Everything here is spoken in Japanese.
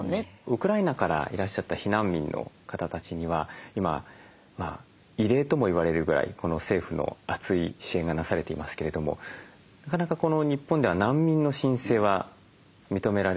ウクライナからいらっしゃった避難民の方たちには今異例とも言われるぐらい政府のあつい支援がなされていますけれどもなかなかこの日本では難民の申請は認められにくいという現状もあります。